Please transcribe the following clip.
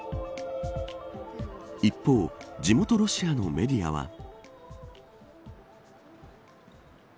一方、地元ロシアのメディアは。